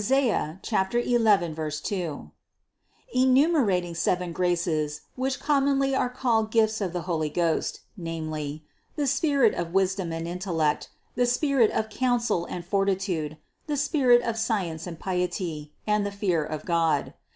11, 2), enumerating seven graces, which commonly are called gifts of the Holy Ghost, namely: the spirit of wisdom and intellect, the spirit of counsel and fortitude, the spirit of science and piety, and the fear of God.